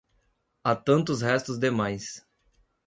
Há tantos restos demais.